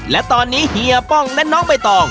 และตอนนี้เฮียป้องและน้องใบตอง